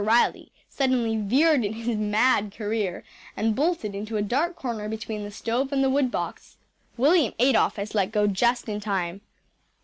Riley suddenly veered in his mad career and bolted into a dark corner between the stove and the wood box, William Adolphus let go just in time.